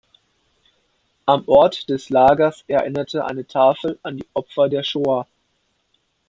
Am Ort des Lagers erinnerte eine Tafel an die Opfer der Shoa.